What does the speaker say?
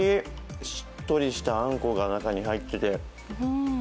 しっとりしたあんこが中に入ってて。